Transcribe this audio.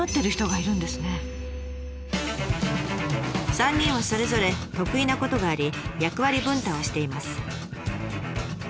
３人はそれぞれ得意なことがあり役割分担をしています。